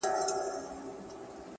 د خټین او د واورین سړک پر غاړه-!